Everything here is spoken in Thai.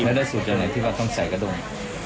แล้วได้สูตรยังไงที่ว่าต้องใส่กระด้ง